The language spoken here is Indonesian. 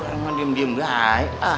kan emang diem diem gaya